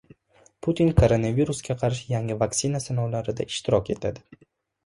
Putin koronavirusga qarshi yangi vaksina sinovlarida ishtirok etadi